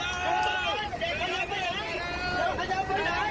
พันธุ์ใจเยอะเท่านี้ผู้ธรรมก็กลับไปอยู่เอง